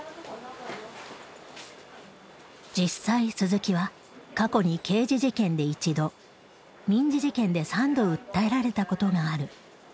実際鈴木は過去に刑事事件で１度民事事件で３度訴えられたことがある。